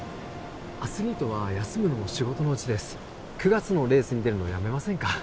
アスリートは休むのも仕事のうちです９月のレースに出るのやめませんか？